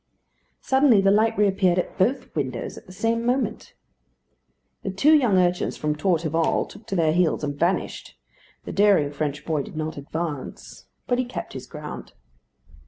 Suddenly the light reappeared at both windows at the same moment. The two young urchins from Torteval took to their heels and vanished. The daring French boy did not advance, but he kept his ground.